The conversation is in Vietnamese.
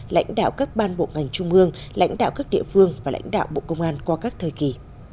lãnh đạo các ban bộ ngành trung ương lãnh đạo các địa phương và lãnh đạo bộ công an qua các thời kỳ